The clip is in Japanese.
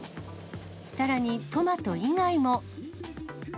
さらに、トマト以外も。